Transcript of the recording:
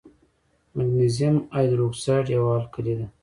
مګنیزیم هایدروکساید یوه القلي ده.